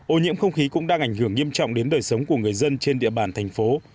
ô nhiễm không khí cũng đang ảnh hưởng nghiêm trọng đến đời sống của người dân trên địa bàn thành phố